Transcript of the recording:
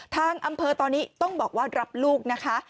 ทางอำเภอตอนนี้ต้องบอกว่ารับลูกนะคะ